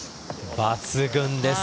抜群です。